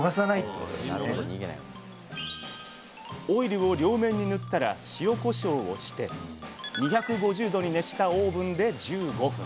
オイルを両面に塗ったら塩こしょうをして２５０℃に熱したオーブンで１５分。